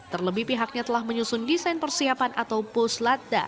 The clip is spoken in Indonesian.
terlebih pihaknya telah menyusun desain persiapan atau puslatda